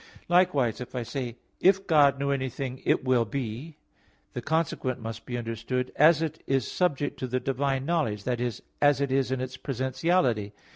Likewise if I say, "If God knew anything, it will be," the consequent must be understood as it is subject to the divine knowledge, i.e. as it is in its presentiality.